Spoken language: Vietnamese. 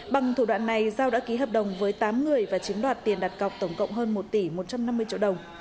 bằng thủ đoạn này giao đã ký hợp đồng với tám người và chiếm đoạt tiền đặt cọc tổng cộng hơn một tỷ một trăm năm mươi triệu đồng